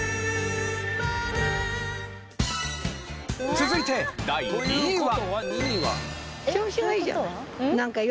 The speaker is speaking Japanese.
続いて第２位は。